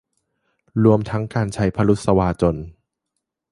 รวมทั้งการใช้พรุสวาจน